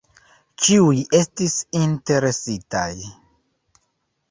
Ĉiuj estis interesitaj.